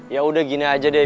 yaudah gini aja deh